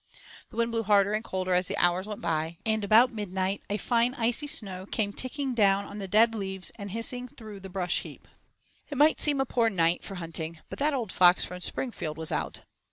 The wind blew harder and colder as the hours went by, and about midnight a fine icy snow came ticking down on the dead leaves and hissing through the brush heap. It might seem a poor night for hunting, but that old fox from Springfield was out.